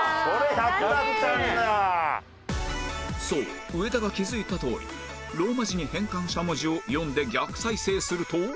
そう上田が気づいたとおりローマ字に変換した文字を読んで逆再生すると